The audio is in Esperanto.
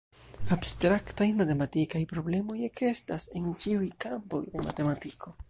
Abstraktaj matematikaj problemoj ekestas en ĉiuj kampoj de matematiko.